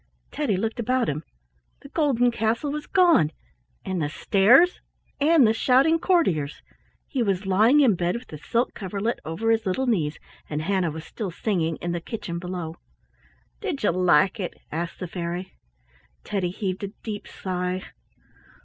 Teddy looked about him. The golden castle was gone, and the stairs, and the shouting courtiers. He was lying in bed with the silk coverlet over his little knees and Hannah was still singing in the kitchen below. "Did you like it?" asked the fairy. Teddy heaved a deep sigh.